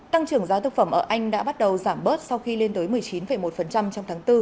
tăng trưởng giá thực phẩm ở anh đã bắt đầu giảm bớt sau khi lên tới một mươi chín một trong tháng bốn